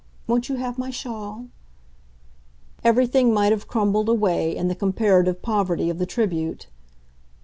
won't you have my shawl?" everything might have crumbled away in the comparative poverty of the tribute.